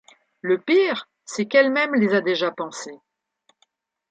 Le pire, c’est qu’elle-même les a déjà pensées.